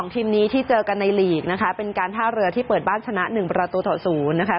ทีมนี้ที่เจอกันในลีกนะคะเป็นการท่าเรือที่เปิดบ้านชนะ๑ประตูต่อ๐นะคะ